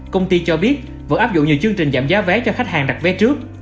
công ty cho biết vừa áp dụng nhiều chương trình giảm giá vé cho khách hàng đặt vé trước